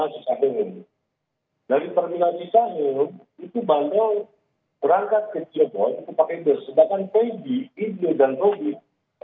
sedangkan pegi ridu dan rondi